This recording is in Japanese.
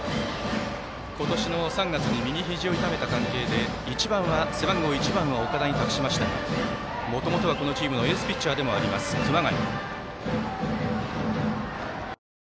今年の３月に右ひじを痛めた関係で背番号１番は岡田に託しましたがもともとは、このチームのエースピッチャーでもある熊谷。